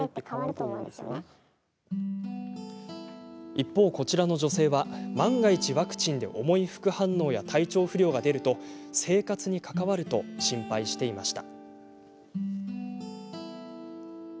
一方、こちらの女性は万が一、ワクチンで重い副反応や体調不良が出ると生活に関わると心配していました。